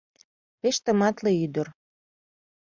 Пеш тыматле ӱдыр.